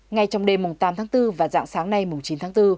ngay trong đêm tám tháng bốn và dạng sáng nay chín tháng bốn